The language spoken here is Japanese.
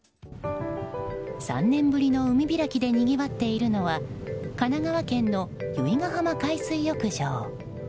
３年ぶりの海開きでにぎわっているのは神奈川県の由比ガ浜海水浴場。